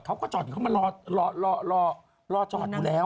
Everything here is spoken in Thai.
เขาก็จอดอยู่เขามารอจอดอยู่แล้ว